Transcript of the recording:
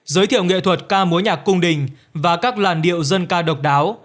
giới thiệu nghệ thuật ca múa nhạc cung đình và các làn điệu dân ca độc đáo